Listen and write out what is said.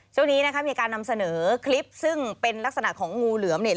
ช่วงนี้นะคะมีการนำเสนอคลิปซึ่งเป็นลักษณะของงูเหลือมเนี่ย